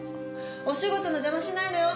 お仕事の邪魔しないのよ。